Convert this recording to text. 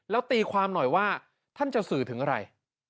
แล้วตีความหน่อยว่าท่านจะสื่อถึงอะไร